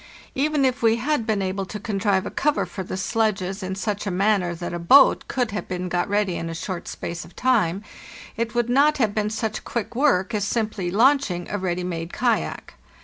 Even if we had been able to contrive a cover for the sledges in such a manner that a boat could have been got ready in a short space of time, it would not have been such quick work as_ simply launching a ready made kayak.